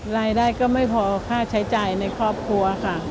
รายได้ก็ไม่พอค่าใช้ใจในครอบครัว